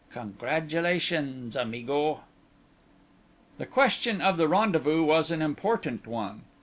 Congratulations, amigo!" The question of the rendezvous was an important one.